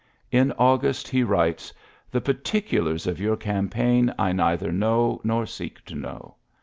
In August he writes: *'The particulars of your campaign I neither know nor seek to know.